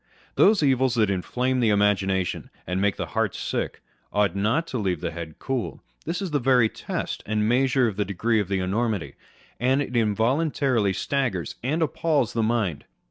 Those evils that inflame the imagination and make the heart sick, ought not to leave the head cool. This is the very test and measure of the degree of the enormity, that it involuntarily staggers and appals the mind.